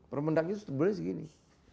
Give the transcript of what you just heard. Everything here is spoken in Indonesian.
permendaknya berbeda segini